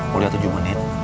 kuliah tujuh menit